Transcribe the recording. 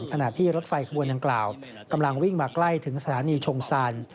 ขณะที่รถไฟขบวนดังกล่าวกำลังวิ่งมาใกล้ถึงสถานีชงซาน